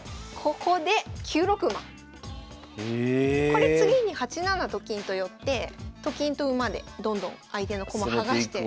これ次に８七と金と寄ってと金と馬でどんどん相手の駒剥がして。